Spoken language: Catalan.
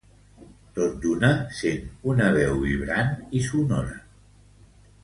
Tot d'una sent una veu vibrant i sonora